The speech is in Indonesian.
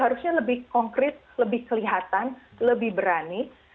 harusnya lebih konkret lebih kelihatan lebih berani